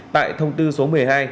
tại thông tư số một mươi hai